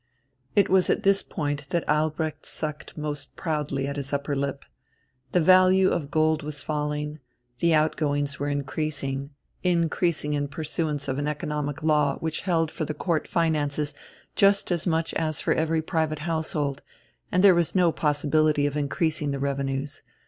It was at this point that Albrecht sucked most proudly at his upper lip. The value of gold was falling, the out goings were increasing increasing in pursuance of an economic law which held for the Court finances just as much as for every private household; and there was no possibility of increasing the revenues.